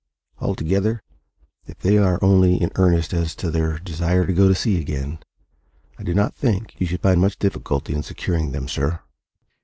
Altogether, if they are only in earnest as to their desire to go to sea again, I do not think you should find much difficulty in securing them, sir."